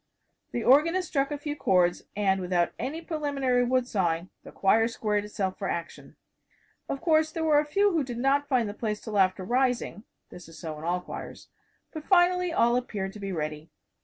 The organist struck a few chords, and without any preliminary wood sawing the choir squared itself for action. Of course, there were a few who did not find the place till after rising this is so in all choirs but finally all appeared to be ready.